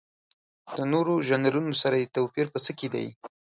د نورو ژانرونو سره یې توپیر په څه کې دی؟